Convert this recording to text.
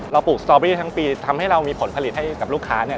ปลูกสตอเบอรี่ทั้งปีทำให้เรามีผลผลิตให้กับลูกค้าเนี่ย